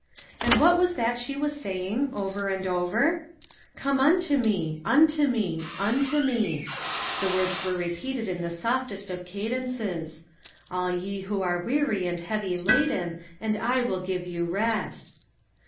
And what was that she was saying, over and over ?" Come unto Me, unto Me, unto Me " the words were repeated in the softest of cadences "all ye who are weary and heavy laden and I will give you rest."